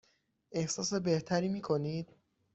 احساس بهتری می کنید؟